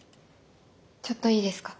ちょっといいですか？